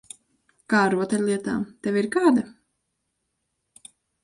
Kā ar rotaļlietām? Tev ir kāda?